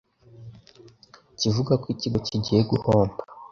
kivuga ko ikigo kigiye guhomba